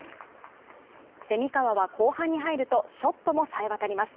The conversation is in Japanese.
蝉川は後半に入るとショットもさえ渡ります。